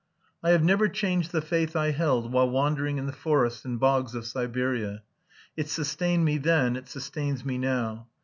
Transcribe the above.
"I have never changed the faith I held while wandering in the forests and bogs of Siberia. It sustained me then it sustains me now.